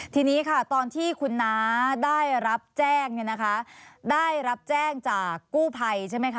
ทีนี้ค่ะตอนที่คุณน้าได้รับแจ้งเนี่ยนะคะได้รับแจ้งจากกู้ภัยใช่ไหมคะ